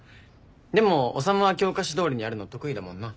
でも修は教科書どおりにやるの得意だもんな。